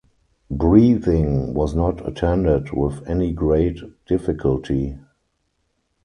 Breathing was not attended with any great difficulty.